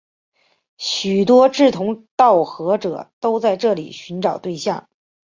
许多志同道合者都在这里寻找对象。